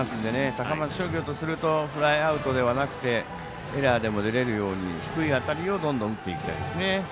高松商業からするとフライアウトではなくてエラーでも出れるように低いあたりをどんどん打っていきたいですね。